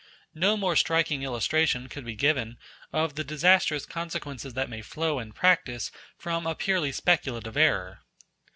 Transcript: No more striking illustration could be given of the disastrous consequences that may flow in practice from a purely speculative error.